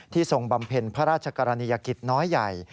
ทรงบำเพ็ญพระราชกรณียกิจน้อยใหญ่